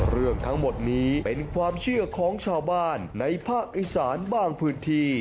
เรื่องทั้งหมดนี้เป็นความเชื่อของชาวบ้านในภาคอีสานบางพื้นที่